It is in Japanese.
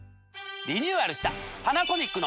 リニューアルした。